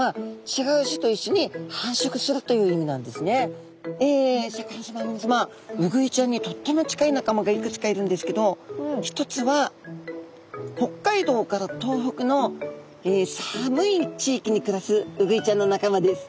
シャーク香音さまみなさまウグイちゃんにとっても近い仲間がいくつかいるんですけど一つは北海道から東北の寒い地域に暮らすウグイちゃんの仲間です。